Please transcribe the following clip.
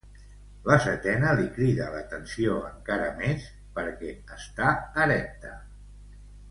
La setena li crida l'atenció encara més, perquè està erecta.